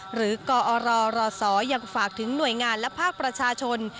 หรือกอรรศยังฝากถึงหน่วยงานและภาคประชาชน